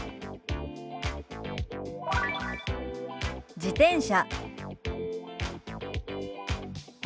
「自転車」。